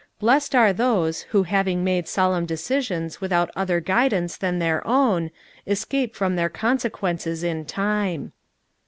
Blessed are those who having made solemn decisions without other guidance than their own, escape from their consequences in time.